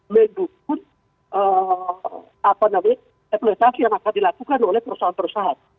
mendukung eksploitasi yang akan dilakukan oleh perusahaan perusahaan